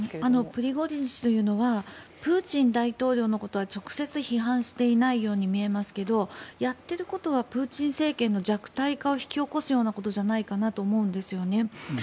プリゴジン氏というのはプーチン大統領のことは直接批判していないように見えますけれどやっていることはプーチン政権の弱体化を引き起こすようなことではと思うんです。